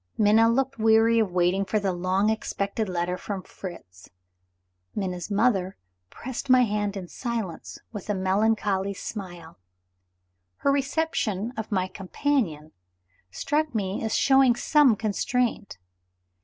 Minna looked weary of waiting for the long expected letter from Fritz. Minna's mother pressed my hand in silence, with a melancholy smile. Her reception of my companion struck me as showing some constraint.